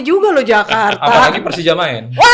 juga loh jakarta apalagi persijaman